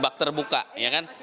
mbak terbuka ya kan